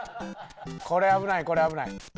これ危ないこれ危ない。